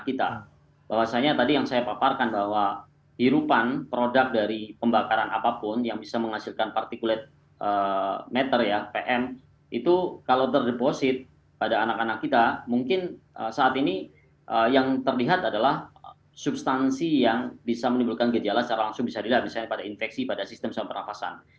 karena kita sudah mencari alasan dari anak anak kita bahwasannya tadi yang saya paparkan bahwa hirupan produk dari pembakaran apapun yang bisa menghasilkan particulate matter ya pm itu kalau terdeposit pada anak anak kita mungkin saat ini yang terlihat adalah substansi yang bisa menimbulkan gejala secara langsung bisa dilihat misalnya pada infeksi pada sistem saluran pernafasan